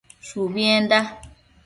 Shubienda